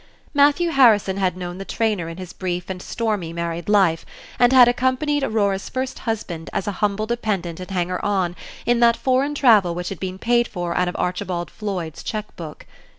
Matthew Harrison had known the trainer in his brief and stormy married life, and had accompanied Aurora's first husband as a humble dependent and hanger on in that foreign travel which had been paid for out of Archibald Floyd's check book.